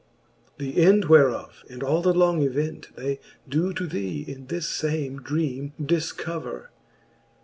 XXII. The end whereof, and all the long event. They doe to thee in this fame dreame dilcover.